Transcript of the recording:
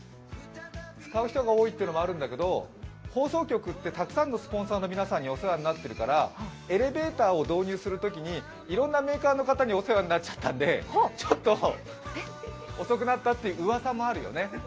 使う人が多いってのもあるんだけど、放送局ってたくさんのスポンサーの皆さんにお世話になってるからエレベーターを導入するときにいろんなメーカーの方にお世話になっちゃったんでちょっと遅くなったっていううわさもあるよね。